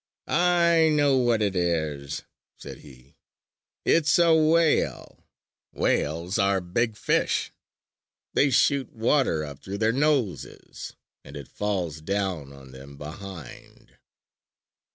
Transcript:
"I know what it is," said he. "It's a whale. Whales are big fish, they shoot water up through their noses, and it falls down on them behind."